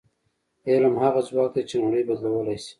علم هغه ځواک دی چې نړۍ بدلولی شي.